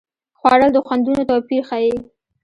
خوړل د خوندونو توپیر ښيي